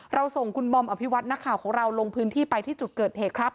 ส่งคุณบอมอภิวัตินักข่าวของเราลงพื้นที่ไปที่จุดเกิดเหตุครับ